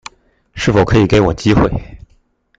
是否可以給我機會